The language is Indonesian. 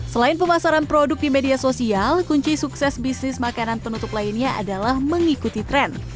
selain pemasaran produk di media sosial kunci sukses bisnis makanan penutup lainnya adalah mengikuti tren